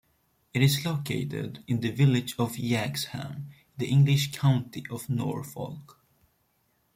It is located in the village of Yaxham in the English county of Norfolk.